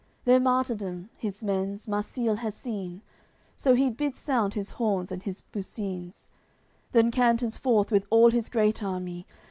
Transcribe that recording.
AOI. CXXV Their martyrdom, his men's, Marsile has seen, So he bids sound his horns and his buccines; Then canters forth with all his great army.